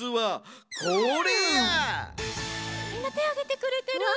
みんなてあげてくれてる。